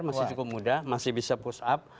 masih cukup muda masih bisa push up